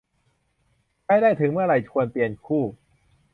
ใช้ได้ถึงเมื่อไหร่จึงควรเปลี่ยนคู่